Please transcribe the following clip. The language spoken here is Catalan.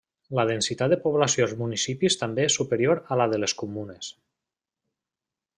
La densitat de població als municipis també és superior a la de les comunes.